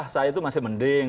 saya itu masih mending